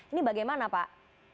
ini bagaimana pak